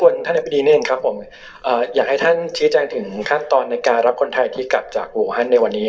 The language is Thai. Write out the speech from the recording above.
อยากให้ท่านชี้ใจถึงขั้นตอนในการรับคนไทยที่กลับจากโหว